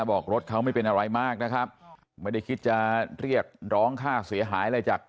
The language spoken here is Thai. บอกรถเขาไม่เป็นอะไรมากนะครับไม่ได้คิดจะเรียกร้องค่าเสียหายอะไรจาก